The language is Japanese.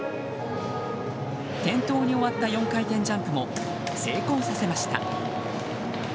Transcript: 転倒に終わった４回転ジャンプも成功させました。